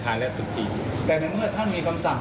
แต่ในเมื่อท่านมีคำสั่ง